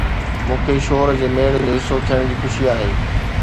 مون کي شور جي ميڙ جو حصو ٿيڻ جي خوشي آهي